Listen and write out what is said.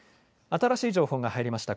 新しい情報が入りました。